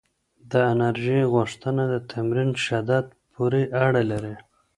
د انرژۍ غوښتنه د تمرین شدت پورې اړه لري؟